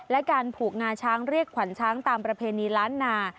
และการผูกงาช้างเรียกขวัญช้างตามประเพณีล้านนา